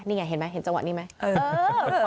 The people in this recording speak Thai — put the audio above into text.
นี่ไงเห็นไหมเห็นจังหวะนี้ไหม